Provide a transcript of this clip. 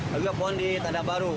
lalu pohon di tanda baru